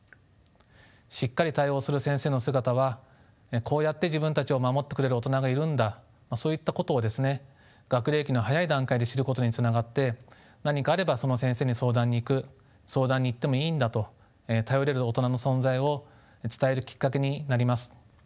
しっかり対応する先生の姿はこうやって自分たちを守ってくれる大人がいるんだそういったことをですね学齢期の早い段階で知ることにつながって何かあればその先生に相談に行く相談に行ってもいいんだと頼れる大人の存在を伝えるきっかけになります。